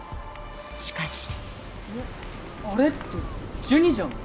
しかしあれってジュニじゃない？